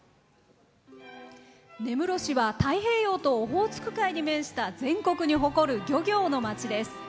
根室市は太平洋とオホーツク海に面した全国に誇る漁業の街です。